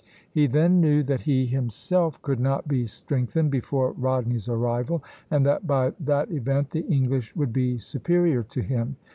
He then knew that he himself could not be strengthened before Rodney's arrival, and that by that event the English would be superior to him.